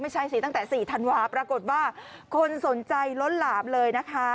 ชวนเชิญ